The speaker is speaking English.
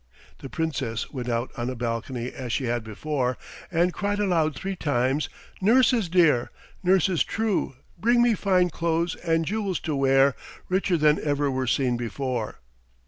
The Princess went out on a balcony as she had before, and cried aloud three times, "Nurses dear, nurses true, bring me fine clothes and jewels to wear, richer than ever were seen before."